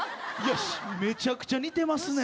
めちゃくちゃ似てます。